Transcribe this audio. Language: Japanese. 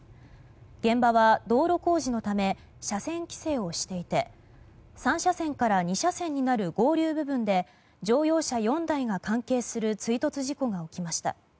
現場は道路工事のため車線規制をしていて３車線から２車線になる合流部分で乗用車４台が関係する追突事故が起きました。